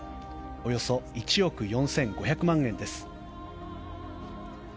およそ１億４５００万円です。